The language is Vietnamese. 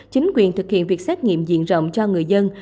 chính quyền thực hiện việc xét nghiệm diện rộng cho người dân